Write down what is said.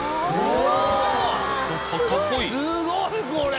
すごいこれ！